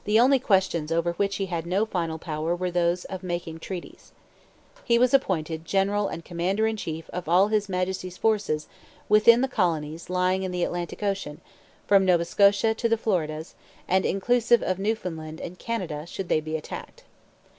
The only questions over which he had no final power were those of making treaties. He was appointed 'General and Commander in chief of all His Majesty's forces within the Colonies lying in the Atlantic Ocean, from Nova Scotia to the Floridas, and inclusive of Newfoundland and Canada should they be attacked.'